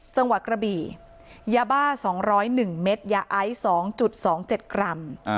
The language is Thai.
จังหวัดกระบี่ยาบ้าสองร้อยหนึ่งเมตรยาไอ้สองจุดสองเจ็ดกรัมอ่า